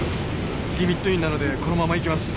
リミットインなのでこのままいきます！